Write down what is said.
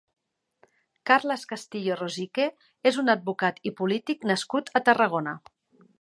Carles Castillo Rosique és un advocat i polític nascut a Tarragona.